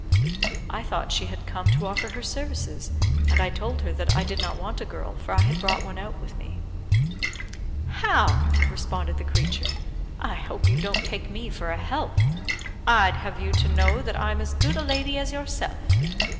I thought she had come to offer her services; and I told her that I did not want a girl, for I had brought one out with me. "How!" responded the creature, "I hope you don't take me for a help. I'd have you to know that I'm as good a lady as yourself.